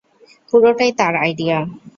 পুরোটাই তার আইডিয়া।